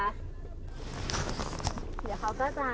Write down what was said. เดี๋ยวเขาก็จะ